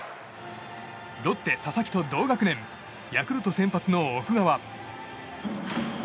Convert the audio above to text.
ロッテ、佐々木と同学年ヤクルト先発の奥川。